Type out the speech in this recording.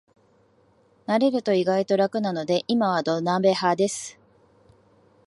慣れると意外と楽なので今は土鍋派です